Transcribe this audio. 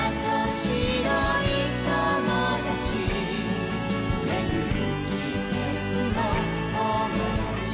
「しろいともだち」「めぐるきせつのともだち」